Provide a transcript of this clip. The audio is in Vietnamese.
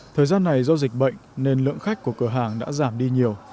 thời gian này do dịch bệnh nên lượng khách của cửa hàng đã giảm đi nhiều